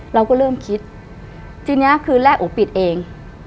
เราก็เริ่มคิดทีนี้คืนแรกโอ๋ปิดเอง